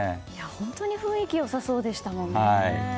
本当に雰囲気、良さそうでしたもんね。